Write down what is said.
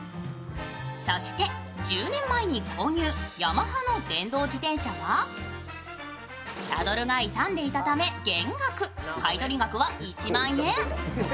そして１０年前に購入ヤマハの電動自転車はサドルが傷んでいたため減額、買取額は１万円。